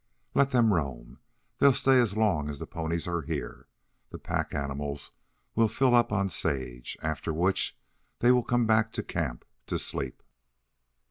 "Let them roam. They'll stay as long as the ponies are here. The pack animals will fill up on sage, after which they will come back to camp to sleep."